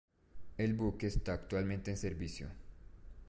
El buque está actualmente en servicio.